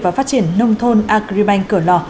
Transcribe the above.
và phát triển nông thôn agribank cửa lò